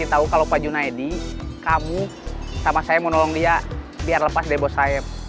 dia tahu kalau pak junaedi kamu sama saya mau nolong dia biar lepas dari bos saya